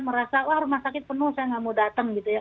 merasa wah rumah sakit penuh saya nggak mau datang